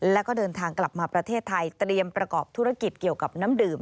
แล้วก็เดินทางกลับมาประเทศไทยเตรียมประกอบธุรกิจเกี่ยวกับน้ำดื่ม